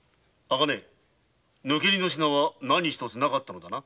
茜抜け荷の品は何一つなかったのだな。